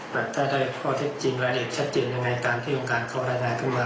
แต่ถ้าได้ข้อเท็จจริงและเหตุชัดจริงยังไงการที่โดยงานเข้ารายนายขึ้นมา